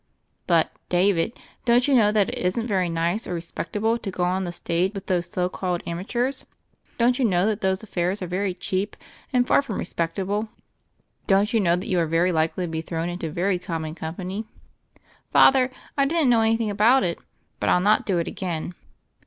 "But, David, don't you know that it isn't very nice or respectable to go on the stage with those so called amateurs ? Don't you know that those affairs are very cheap and far from re spectable? Don't you know that you are very likely to be thrown into very common com pany?" "Father, I didn't know anything about it. But I'll not do it again."